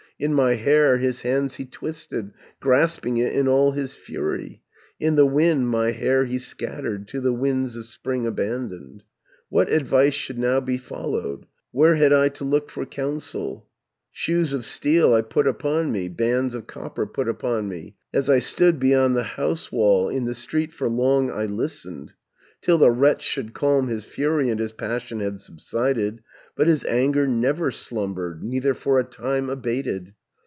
In my hair his hands he twisted, Grasping it in all his fury, In the wind my hair he scattered, To the winds of spring abandoned. "What advice should now be followed, Where had I to look for counsel? 730 Shoes of steel I put upon me, Bands of copper put upon me, As I stood beyond the house wall. In the street for long I listened, Till the wretch should calm his fury, And his passion had subsided, But his anger never slumbered, Neither for a time abated.